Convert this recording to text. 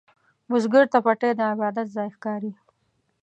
بزګر ته پټی د عبادت ځای ښکاري